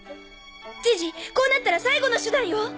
ジジこうなったら最後の手段よ。